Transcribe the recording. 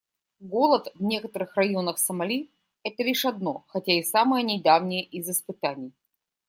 Голод в некоторых районах Сомали — это лишь одно, хотя и самое недавнее из испытаний.